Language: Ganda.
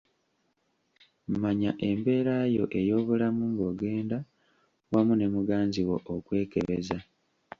Manya embeera yo ey’obulamu ng’ogenda wamu ne muganzi wo okwekebeza.